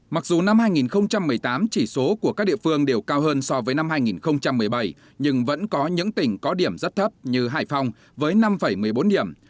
mặc dù năm hai nghìn một mươi tám chỉ số của các địa phương đều cao hơn so với năm hai nghìn một mươi bảy nhưng vẫn có những tỉnh có điểm rất thấp như hải phòng với năm một mươi bốn điểm